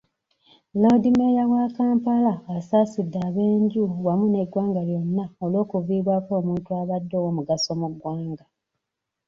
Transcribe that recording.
Loodimmeeya wa Kampala, asaasidde ab'enju wamu n'eggwanga lyonna olw'okuviibwako omuntu abadde ow'omugaso mu ggwanga.